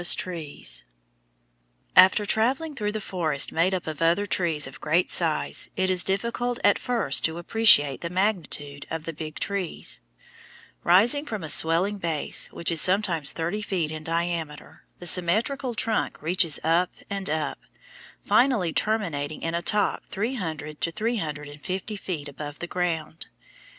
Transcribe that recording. [Illustration: FIG. 127. THE BIG TREE FOREST IN THE SIERRA NEVADA MOUNTAINS] After travelling through forests made up of other trees of great size it is difficult at first to appreciate the magnitude of the Big Trees. Rising from a swelling base, which is sometimes thirty feet in diameter, the symmetrical trunk reaches up and up, finally terminating in a top three hundred to three hundred and fifty feet above the ground.